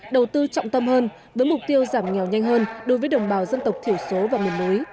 đầu tư trọng tâm hơn với mục tiêu giảm nghèo nhanh hơn đối với đồng bào dân tộc thiểu số và miền núi